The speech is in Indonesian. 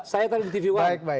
saya tadi di tv